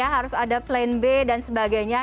harus ada plan b dan sebagainya